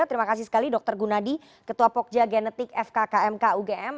terima kasih sekali dr gunadi ketua pokja genetik fkkm kugm